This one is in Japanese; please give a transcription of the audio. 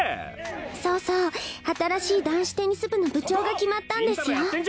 「そうそう新しい男子テニス部の部長が決まったんですよ」。